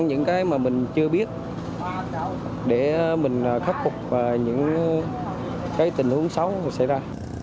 những cái mà mình chưa biết để mình khắc phục những cái tình huống xấu mà xảy ra